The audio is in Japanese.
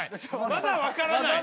まだ分からない